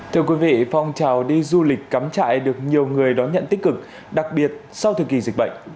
thưa quý vị phong trào đi du lịch cắm trại được nhiều người đón nhận tích cực đặc biệt sau thời kỳ dịch bệnh